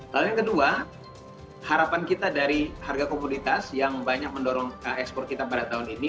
lalu yang kedua harapan kita dari harga komoditas yang banyak mendorong ekspor kita pada tahun ini